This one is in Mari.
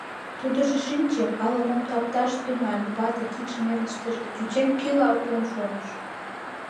Тудыжо шинче, ала-мом тапташ тӱҥале, вате, кидшым эрдыштыже кучен, пийла оптен шогыш.